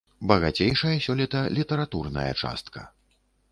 Багацейшая сёлета літаратурная частка.